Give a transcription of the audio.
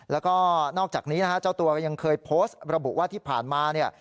แล้วก็นอกจากนี้นะฮะเจ้าตัวก็ยังเคยโพสต์ระบุว่าที่ผ่านมาเนี่ย